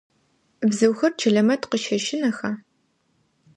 Бзыухэр Чэлэмэт къыщэщынэха?